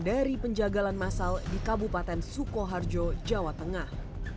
dari penjagalan masal di kabupaten sukoharjo jawa tengah